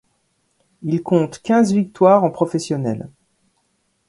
Il compte quinze victoires en professionnel.